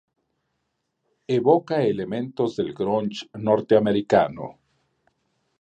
Evoca elementos del grunge norteamericano.